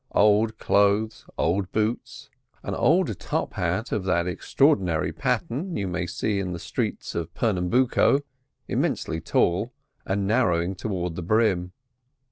Old clothes, old boots, an old top hat of that extraordinary pattern you may see in the streets of Pernambuco, immensely tall, and narrowing towards the brim.